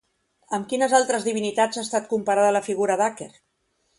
Amb quines altres divinitats ha estat comparada la figura d'Aker?